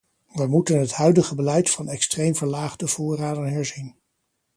We moeten het huidige beleid van extreem verlaagde voorraden herzien.